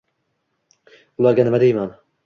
Ularga nima deyman